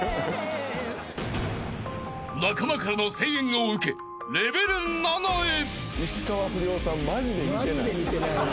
［仲間からの声援を受けレベル７へ］